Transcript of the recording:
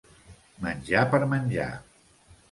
Menjar per menjar.